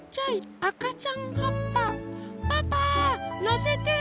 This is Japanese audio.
パパのせて！